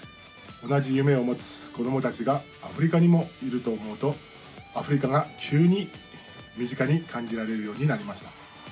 同じ夢を持つ子どもたちがアフリカにもいると思うと、アフリカが急に身近に感じられるようになりました。